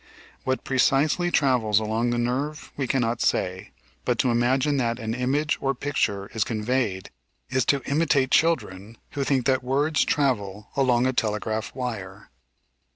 What precisely travels along the nerve we cannot say, but to imagine that an image or picture is conveyed is to imitate children who think that words travel along a telegraph wire.